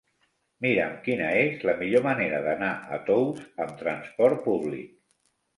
Mira'm quina és la millor manera d'anar a Tous amb transport públic.